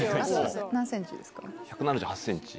何ｃｍですか？